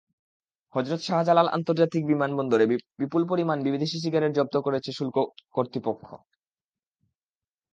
হজরত শাহজালাল আন্তর্জাতিক বিমানবন্দরে বিপুল পরিমাণ বিদেশি সিগারেট জব্দ করেছে শুল্ক কর্তৃপক্ষ।